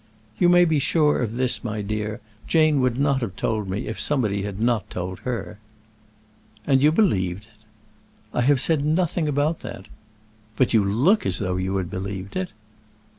"You may be sure of this, my dear: Jane would not have told me if somebody had not told her." "And you believed it?" "I have said nothing about that." "But you look as if you had believed it."